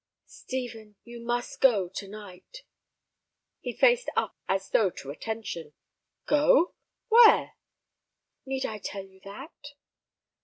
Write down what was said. "Stephen, you must go to night." He faced up as though to attention. "Go? Where?" "Need I tell you that?"